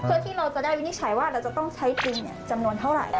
เพื่อที่เราจะได้วินิจฉัยว่าเราจะต้องใช้ทุนจำนวนเท่าไหร่